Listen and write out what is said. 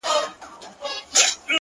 o مُريد ښه دی ملگرو او که پير ښه دی ـ